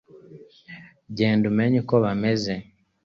genda umenye uko bameze